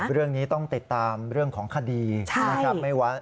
เรื่องนี้ต้องติดตามเรื่องของคดีนะครับ